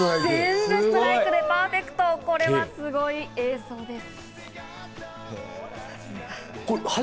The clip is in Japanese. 全部ストライクでパーフェクト、これはすごい映像です。